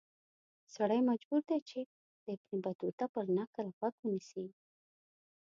سړی مجبور دی چې د ابن بطوطه پر نکل غوږ ونیسي.